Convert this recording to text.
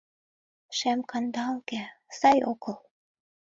Шем-кандалге — сай огыл.